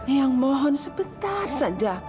eyang mohon sebentar saja